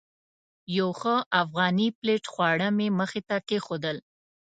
یو ښه افغاني پلیټ خواړه مې مخې ته کېښودل.